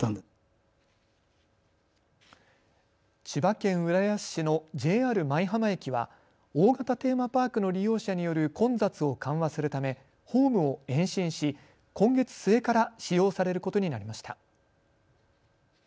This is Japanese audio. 千葉県浦安市のＪＲ舞浜駅は大型テーマパークの利用者による混雑を緩和するためホームを延伸し今月末から使用されることになりました。